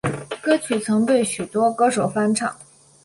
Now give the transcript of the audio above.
歌曲曾被许多歌手翻唱。